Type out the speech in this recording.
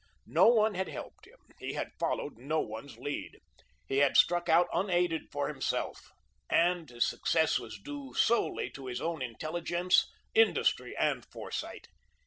No one had helped him; he had followed no one's lead. He had struck out unaided for himself, and his success was due solely to his own intelligence, industry, and foresight.